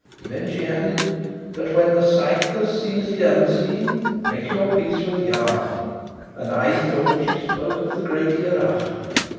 Then she added: 'But when the sightless sees the unseen, make your peace with Yama.' And I thought she spoke of the Great Hereafter!"